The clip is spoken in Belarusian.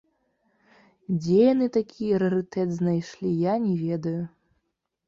Дзе яны такі рарытэт знайшлі, я не ведаю.